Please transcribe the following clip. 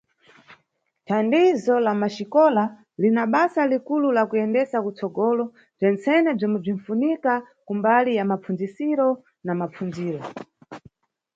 Thandizo la Maxikola lina basa likulu la kuyendesa kutsogolo bzentsene bzomwe bzinʼfunika kumbali ya mapfundzisiro na mapfundziro.